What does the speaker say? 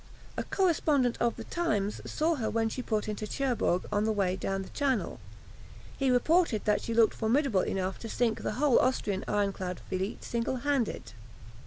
A correspondent of "The Times" saw her when she put into Cherbourg on the way down Channel. He reported that she looked formidable enough to sink the whole Austrian ironclad fleet single handed.